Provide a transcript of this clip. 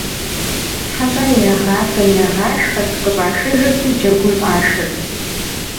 ХьэщӀэр ирагъафэ-ирагъашхэрт, къыщӀашыжырти джэгум Ӏуашэрт.